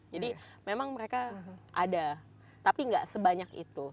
jadi memang mereka ada tapi enggak sebanyak itu